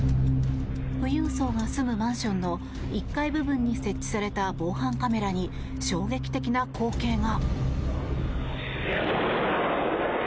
富裕層が住むマンションの１階部分に設置された防犯カメラに衝撃的な光景が。